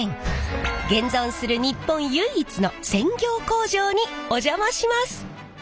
現存する日本唯一の専業工場にお邪魔します！